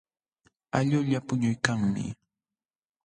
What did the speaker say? Allquqa puñuykanmi.